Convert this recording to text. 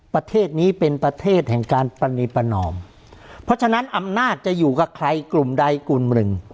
ประเทศนี้เป็นประเทศแห่งการปรณีประนอมเพราะฉะนั้นอำนาจจะอยู่กับใครกลุ่มใดกลุ่มหนึ่ง